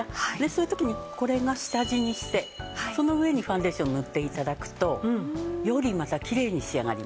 そういう時にこれを下地にしてその上にファンデーション塗って頂くとよりまたきれいに仕上がります。